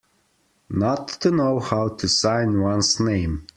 Not to know how to sign one's name.